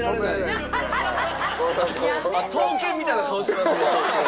闘犬みたいな顔してます。